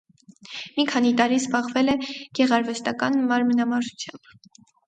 Մի քանի տարի զբաղվել է գեղարվեստական մարմնամարզությամբ։